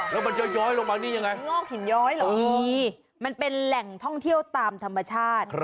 แล้วมันย้อยลงมานี่ยังไงมันเป็นแหล่งท่องเที่ยวตามธรรมชาติ